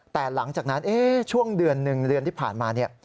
แต่หลังจากนั้นช่วงเดือนหนึ่งเดือนที่ผ่านมาเนี่ย